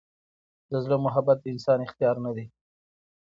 د زړه محبت د انسان اختیار نه دی.